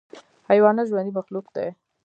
حیوانات ژوندی مخلوق دی.